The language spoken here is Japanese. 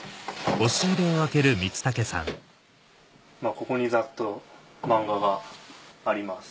ここにざっと漫画があります。